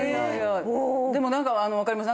でも何か分かります。